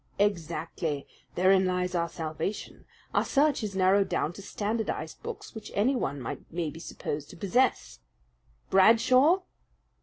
"Exactly. Therein lies our salvation. Our search is narrowed down to standardized books which anyone may be supposed to possess." "Bradshaw!"